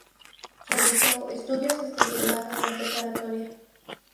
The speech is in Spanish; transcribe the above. Realizó estudios hasta llegar a la preparatoria.